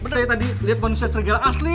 saya tadi liat manusia serigala asli